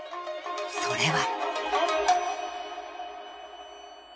それは。